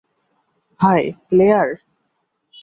High, Claire.